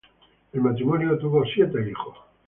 El matrimonio tuvo siete hijos.